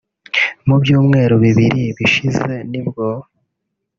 Mu byumweru bibiri bishize nibwo